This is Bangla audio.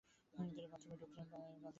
তিনি বাথরুমে ঢুকলেন পানির বালতির খোঁজে।